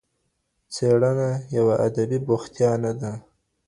څېړنه یوه ادبي بوختیا نه ده.